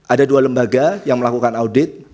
ada dua lembaga yang melakukan audit